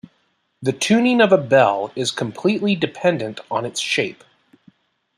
The tuning of a bell is completely dependent on its shape.